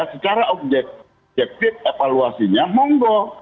secara objektif evaluasinya monggo